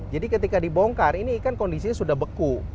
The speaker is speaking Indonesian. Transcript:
jadi ketika dibongkar ini ikan kondisinya sudah beku